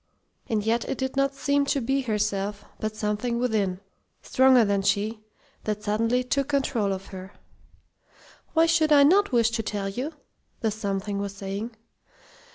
And yet it did not seem to be herself, but something within, stronger than she, that suddenly took control of her. "Why should I not wish to tell you?" the Something was saying.